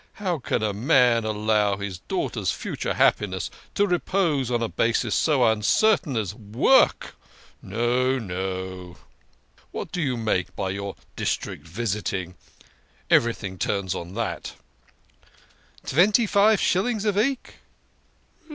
How can a man allow his daughter's future happiness to repose on a basis so uncertain as work? No, no. What do you make by your district visiting ? Everything turns on that." " Tventy five shilling a veek !